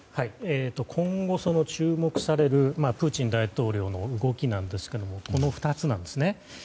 今後、注目されるプーチン大統領の動きですがこの２つなんですね。